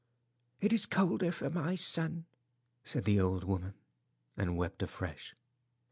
"It is colder for my son," said the old woman, and wept afresh.